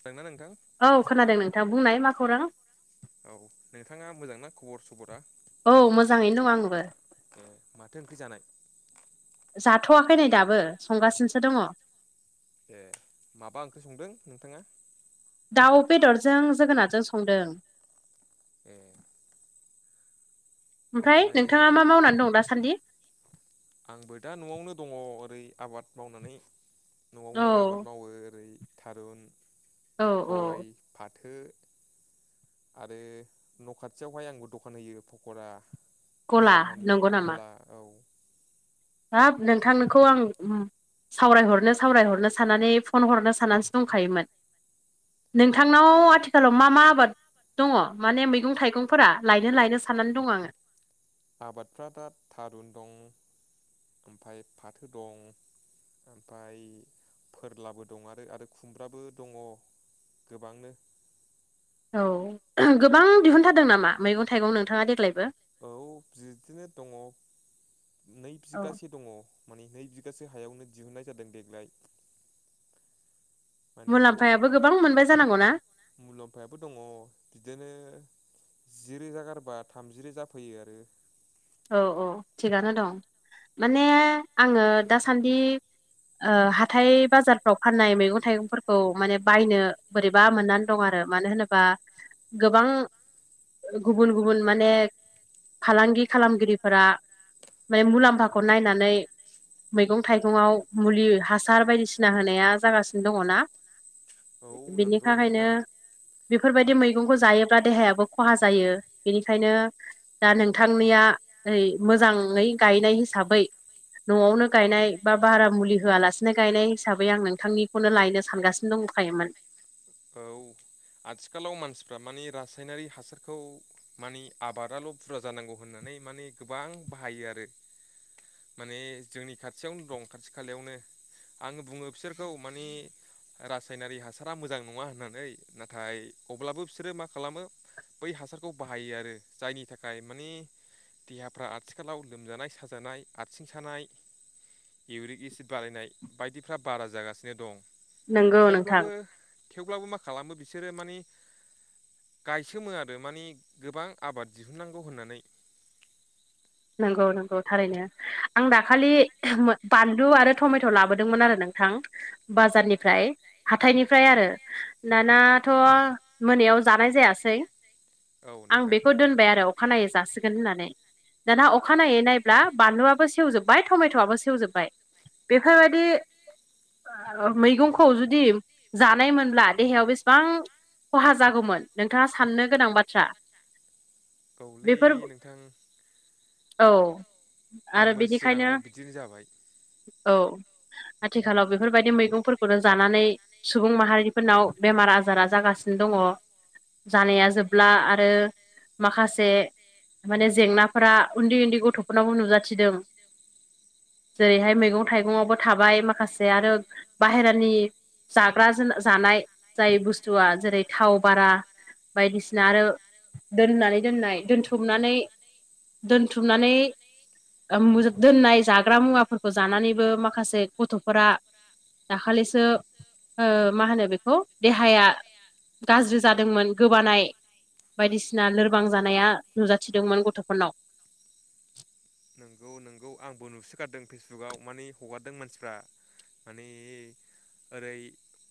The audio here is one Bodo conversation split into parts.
खोनादोंना नोंथां औ खोनादों नोंथां बुंनाय मा खौरां औ नोंथाङा मोजांना खबर सबरा औ मोजाङैनो दं आंबो ए माथो ओंख्रि जानाय? जाथवाखै नै दाबो संगासिनोसो दङ ए माबा ओंख्रि संदों नोंथाङा दाउ बेदरजों जोगोनारजों संदों ए ओमफ्राय नोंथाङा मा मावनानै दं दासान्दि आंबो दा न'आवनो दङ ओरै आबाद मावनानै न'आवनो आबाद मावो ओरै थारुन गय फाथो आरो न' खाथियावहाय आंबो दखान होयो फकरा साहानि गला औ हाब नोंथांखौ आं उम सावरायहरनो सावरायहरनो साननानै फन हरनो साननानैसो दंखायोमोन नोंथांनाव आथिखालाव मा मा आबाद दङ माने मैगं थाइगंफोरा लायनो लायनो साननानै दं आङो आबादफ्रा दा थारुन दं ओमफ्राय फाथो दं ओमफ्राय फोरलाबो दं आरो आरो खुमब्राबो दङ गोबांनो औ गोबां दिहुनथारदों नामा मैगं थाइगं नोंथाङा देग्लायबो औ बिदिनो दङ नै बिगासो दङ माने नै बिगासो हायावनो दिहुननाय जादों देग्लाय मुलाम्फायाबो गोबां मोनबाय जानांगौना मुलाम्फायाबो दङ बिदिनो जि रोजा गारबा थामजि रोजा फैयो आरो औ औ थिगानो दं माने आङो दासान्दि ओ हाथाय बाजारफ्राव फाननाय मैगं थाइगंफोरखौ माने बायनो बोरैबा मोननानै दं आरो मानो होनोबा गोबां गुबुन गुबुन माने फालांगि खालामगिरिफोरा माने मुलाम्फाखौ नायनानै मैगं थाइगङाव मुलि हासार बायदिसिना होनाया जागासिनो दङना बिनि थाखायनो बेफोरबायदि मैगंखौ जायोब्ला देहायाबो खहा जायो बेनिखायनो दा नोंथां आंनिया ओइ मोजाङै गायनाय हिसाबै न'आवनो गायनाय बा बारा मुलि होआलासिनो गायनाय हिसाबै आं नोंथांनिखौनो लायनो सानगासिनो दंखायोमोन औ आथिखालाव मानसिफ्रा माने रासायनारि हासारखौ माने आबादाल' बुरजा जानांगौ होननानै माने गोबां बाहायो आरो माने जोंनि खाथियावनो दं खाथि खालायावनो आं बुङो बिसोरखौ मानि रासायनारि हासारा मोजां नङा होननानै नाथाय अब्लाबो बिसोरो मा खालामो बै हासारखौ बाहायो आरो जायनि थाखाय माने देहाफ्रा आथिखालाव लोमजानाय साजानाय आथिं सानाय इउरिक एसिड बारायनाय बायदिफ्रा बारा जागासिनो दं थेवब्लाबो थेवब्लाबो मा खालामो बिसोरो मानि गायसोमो आरो मानि गोबां आबाद दिहुननांगौ होननानै नंगौ नंगौ थारैनो आं दाखालि बानलु आरो टमेट' लाबोदोंमोन आरो नोंथां बाजारनिफ्राय हाथायनिफ्राय आरो दानाथ' मोनायाव जानाय जायासै आं बेखौ दोनबाय आरो अखानायै जासिगोन होननानै दाना अखा नायै नायब्ला बानलुआबो सेवजोब्बाय टमेट'आबो सेवजोब्बाय बेफोरबायदि मैगंखौ जुदि जानाय मोनब्ला देहायाव बेसेबां खहा जागौमोन नोंथाङा साननो गोनां बाथ्रा औ लै नोंथां औ आरो बेनिखायनो औ आथिखालाव बेफोरबायदि मैगंफोरखौनो जानानै सुबुं माहारिफोरनाव बेमार आजारा जागासिनो दङ जानाया जोबब्ला आरो माखासे माने जेंना फोरा उन्दै उन्दै गथ'फोरनावबो नुजाथिदों जेरैहाय मैगं थाइगङावबो थाबाय माखासे आरो बाहेरानि जाग्रा जो जानाय जाय बुस्थुआ जेरै थाव बारा बायदिसिना आरो दोननानै दोननाय दोनथुमनानै दोनथुमनानै दोननाय जाग्रा मुवाफोरखौ जानानैबो माखासे गथ'फोरा दाखालिसो ओ मा होनो बेखौ देहाया गाज्रि जादोंमोन गोबानाय बायदिसिना लोरबां जानाया नुजाथिदोंमोन गथ' उनाव नंगौ नोंगौ आंबो नुसोगारदों फेसबुकाव माने हगारदों मानसिफ्रा माने ओरै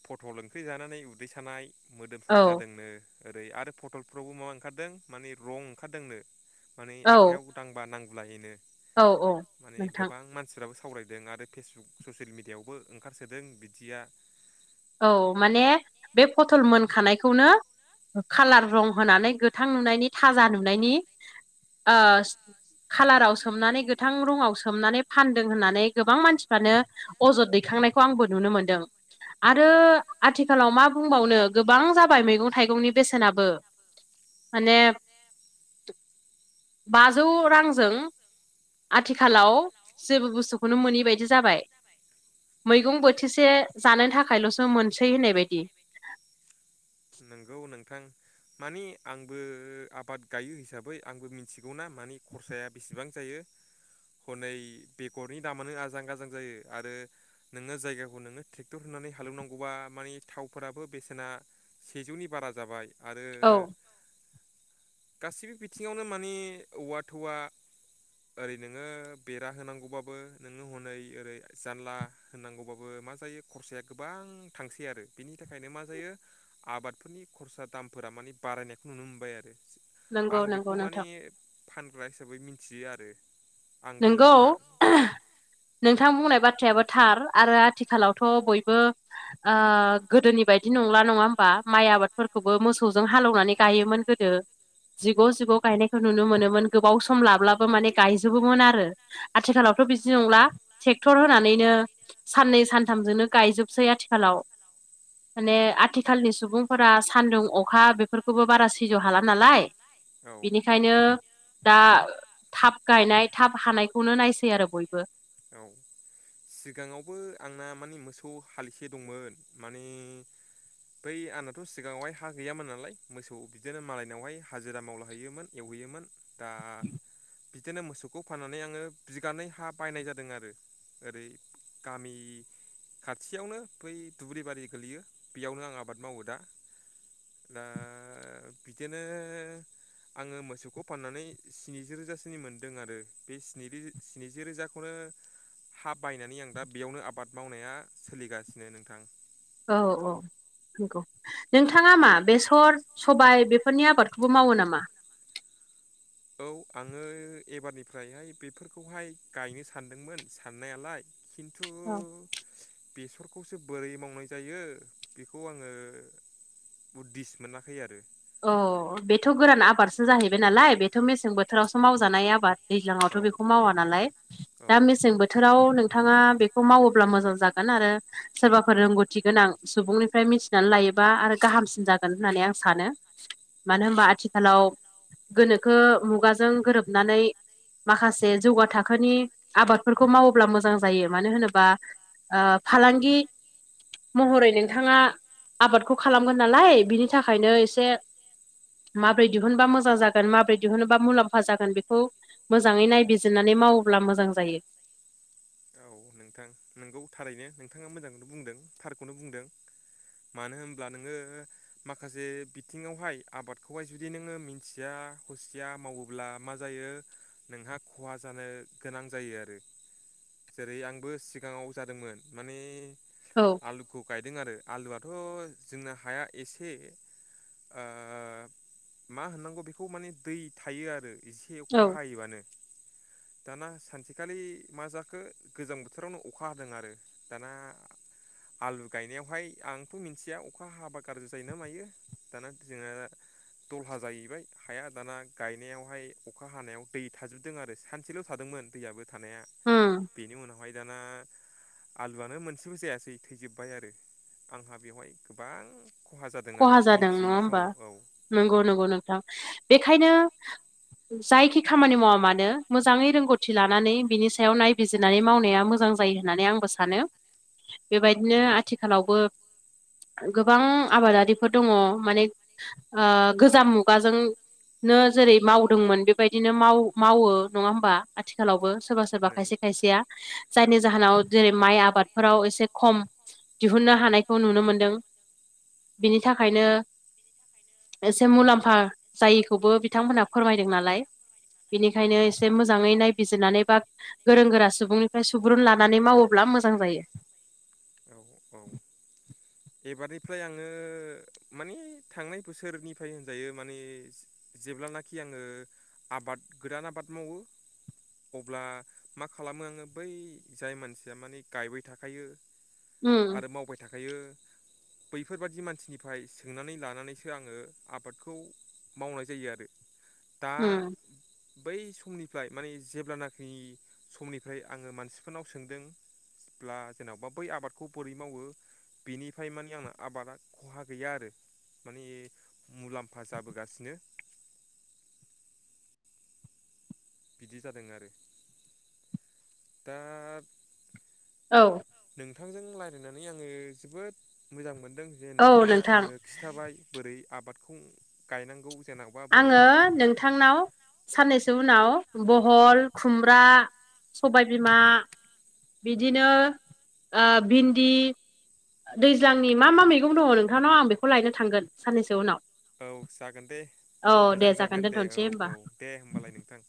फटल ओंख्रि जानानै उदै सानाय मोदोम सानाय जादोंनो ओरै आरो फटलफ्रावबो माबा ओंखारदों माने रं ओंखारदोंनो माने आखाइयाव दांबा नांगुलायैनो माने गोबां मानसिफ्राबो सावरायदों आरो फेसबुक ससियेल मिडिया यावबो ओंखारसोदों बिदिया औ माने बे फथल मोनखानायखौनो कालार रं होनानै गोथां नुनायनि थाजा नुनायनि ओ खाालाराव सोमनानै गोथां रंङाव सोमनानै फानदों होननानै गोबां मानसिफ्रानो अजद दैखांनायखौ आंबो नुनो मोन्दों आरो आथिखालाव मा बुंबावनो गोबां जाबाय मैगं थाइगंनि बेसेनाबो माने बाजौ रांजों आथिखालाव जेबो बुस्थुखौनो मोनै बायदि जाबाय मैगं बोथिसे जानो थाखायल'सो मोनसै होननाय बायदि। नोंगौ नोंथां। मानि आंबो आबाद गायो हिसाबै आंबो मिथिगौना मानि खरसाया बेसेबां जायो। हनै बेगरनि दामानो आजां गाजां जायो आरो नोङो जायगाखौ नोङो ट्रेक्टर होनानै हालेवनांगौबा माने थावफोराबो बेसेना सेजौनि बारा जाबाय आरो गासिबो बिथिङावनो माने औवा थौवा ओरै नोङो बेरा होनांगौबाबो नोङो हनै ओरै जानला होननांगौबाबो मा जायो खरसाया गोबां थांसै आरो बिनि थाखायनो मा जायो आबादफोरनि खरसा दामफोरा माने बारायनायखौ नुनो मोनबाय आरो। आं बेखौ माने फानग्रा हिसाबै मिथियो आरो। नोंगौ। नोंथां बुंनाय बाथ्रायाबो थार आरो आथिखालावथ' बयबो ओ गोदोनि बायदि नंला नङा ओमबा माइ आबादफोरखौबो मोसौजों हाल एवनानै गायोमोन गो दो जिग' जिग' गायनायखौ नुनो मोनोमोन गोबाव सम लाब्लाबो माने गायजोबो बोमोन आरो। आथिखालावथ' बिदि नंला ट्रेक्टर होनानैनो साननै सानथामजोंनो गायजोबसै आथिखालाव। माने आथिखालनि सुबुंफोरा सान्दुं अखा बेफोरखौबो बारा सैज्य' हाला नालाय बेनिखायनो दा थाब गायनाय थाब हानायखौनो नायसै आरो बयबो। औ। सिगाङावबो आंना मानि मोसौ हालिसे दंमोन माने बै आंनाथ' सिगाङावहाय हा गैयामोन नालाय मोसौ बिदिनो मालायनावहाय हाजिरा मावलाहैयोमोन। एवहैयोमोन दा बिदिनो मोसौखौ फाननानै आङो बिगानै हा बायनाय जा दों आरो ओरै गामि खाथियावनो बै दुब्रिबारि गोलैयो बेयावनो आं आबाद मावो दा। दा बिदिनो आङो मोसौखौ फाननानै स्निजि रोजासोनि मोनदों आरो। बे स्निजि स्निजि रोजा बेखौनो हा बायनानै आं दा बेयावनो आबाद मावनाया सोलिगासिनो नोंथां। औ औ। नंगौ नोंथाङा मा बेसर सबाइ बेफोरनि आबादखौबो मावो नामा? औ आङो एबारनिफ्रायहाय बेफोरखौहाय गायनो सानदोंमोन साननायालाय। खिन्थु बेसरखौसो बोरै मावनाय जायो बेखौ आङो बुद्धिसत मोनाखै आरो। अ बेथ' गोरान आबादसो जाहैबाय नालाय बेथ' मेसें बोथोरावसो मावजानाय आबाद। दैज्लाङावथ' बेखौ मावा नालाय दा मेसें बो थोराव नोंथाङा बेखौ मावोब्ला मोजां जागोन आरो। सोरबाफोर रोंगौथि गोनां सुबुंनिफ्राय मिथिनानै लायोबा आरो गाहामसिन जागोन होननानै आं सानो। मानो होमबा आथिखालाव गोनोखो मुगाजों गोरोबनानै माखासे जौगा थाखोनि आबादफोरखौ मावोब्ला मोजां जायो। मानो होनोबा ओ फालांगि महरै नोंथाङा आबादखौ खालामगोन नालाय बिनि थाखायनो एसे [inaudible] माबोरै दिहुनबा मोजां जागोन माबोरै दिहुनबा मुलाम्फा जागोन बेखौ मोजाङै नायबिजिरनानै मावोब्ला मोजां जायो। औ नोंथां नंगौ थारैनो नोंथाङा मोजांखौनो बुंदों थारखौनो बुंदों। मानो होनब्ला नोङो माखासे बिथिङावहाय आबादखौहाय जुदि नोङो मिथिया हसिया मावोब्ला मा जायो। नोंहा खहा जानो गोनां जायो आरो। जेरै आंबो सिगाङाव जादोंमोन माने आलु खौ गायदों आरो आलुआथ' जोंना हाया एसे ओ मा होननांगौ बेखौ माने दै थायो आरो इ से अखा हायोबानो दाना सानसेखालि मा जाखो गोजां बोथोरावनो अखा हादों आरो दाना आलु गायनायावहाय आंथ' मिन्थिया अखा हाबा गाज्रि जायोना मायो दाना जोङा द'लहा जाहैबाय हाया दाना गायनायावहाय अखा हानायाव दै थाजोबदों आरो सानसेल' थादोंमोन दैयाबो थानाया बेनि उनावहाय दाना आलुआनो मोनसेबो जायासै थैजोब्बाय आरो आंहा बेवहाय गोबां ख'हा जादों आरो मिन्थियै समाव औ नंगौ नंगौ नोंथां बेखायनो जायखि खामानि मावा मानो मोजाङै रोंगौथि लानानै बिनि सायाव नायबिजिरनानै मावनाया मोजां जायो होननानै आंबो सानो बेबायदिनो आथिखालावबो गोबां आबादारिफोर दङ' माने ओ गोजाम मुगाजों नो जेरै मावदोंमोन बेबायदिनो माव मावो नङा होमबा आथिखालावबो सोरबा सो सोरबा खायसे खायसेया जायनि जाहोनाव जेरै माइ आबादफोराव एसे ख'म दिहुनन्नो हानायखौ नुनो मोनदों बिनि थाखायनो एसे मुलाम्फा जायिखौबो बिथांमोनहा फोरमायदों नालाय बेनिखायनो एसे मोजाङै नायबिजिरनानै बा गोरों गोरा सुबुंनिफ्राय सुबुरुन लानानै मावोब्ला मोजां जायो औ-औ एबारनिफ्राय आङो माने थांनाय बोसोरनिफ्राय होनजायो माने जेब्लानाखि आङो आबाद गोदान आबाद मावो अब्ला मा खालामो आङो बै जाय मानसिया माने गायबाय थाखायो आरो मावबाय थाखायो बैफोरबादि मानसिनिफ्राय सोंनानै लानानैसो आङो आबादखौ मावनाय जायो आरो दा बै समनिफ्राय माने जेब्लानाखिनि समनिफ्राय आङो मानसिफोरनाव सोंदों ब्ला जेन'बा बै आबादखौ बोरै मावो बिनि फ्राय मानि आंना आबादा ख'हा गैया आरो माने मुलाम्फा जाबोगासिनो बिदि जादों आरो दा औ नोंथांजों लायरायनानै आङो जोबोद मोजां मोनदों जे नोंथाङा आंनो खिथाबाय बोरै आबादखौ गायनांगौ जेनाव आङो नोंथांनाव साननैसो उनाव बहल, खुमब्रा, सबायबिमा बिदिनो ओ भिन्दि दैज्लांनि मा मा मैगं दङ' नोंथांनाव आं बेखौ लायनो थांगोन साननैसो उनाव औ जागोन दे मोजां जागोन दे औ औ दे होमबालाय नोंथां